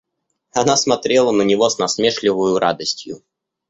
Она смотрела на него с насмешливою радостью.